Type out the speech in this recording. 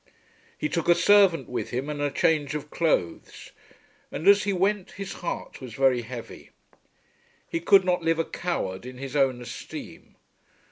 He took a servant with him and a change of clothes. And as he went his heart was very heavy. He could not live a coward in his own esteem.